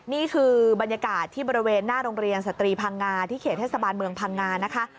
นี่คือบรรยากาศที่บริเวณหน้าโรงเรียนสตรีพังงาที่เขตเทศบาลเมืองพังงานะคะ